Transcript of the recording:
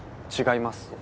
違います。